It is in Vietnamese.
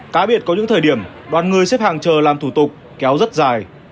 cá biệt có những thời điểm đoàn người xếp hàng chờ làm thủ tục kéo rất dài